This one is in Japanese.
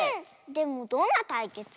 でもどんなたいけつ？